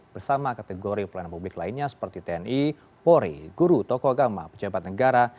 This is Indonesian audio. bersama kategori pelayanan publik lainnya seperti tni polri guru tokoh agama pejabat negara